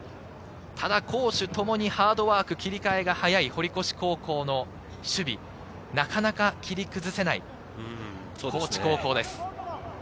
ただ攻守ともにハードワーク、切り替えが速い堀越高校の守備をなかなか切り崩せない高知高校です。